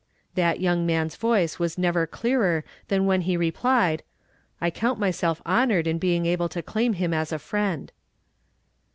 That young man's vdice was never clearer than when he re plied, '' I count myself honored in being able to claim him jis a friend."